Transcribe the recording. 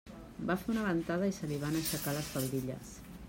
Va fer una ventada i se li van aixecar les faldilles.